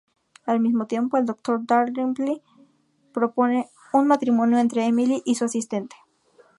Al mismo tiempo, el Dr. Dalrymple propone un matrimonio entre Emily y su asistente.